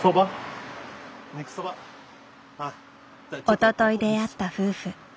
おととい出会った夫婦。